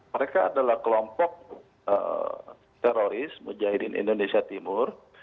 mereka adalah kelompok teroris mujahidin indonesia timur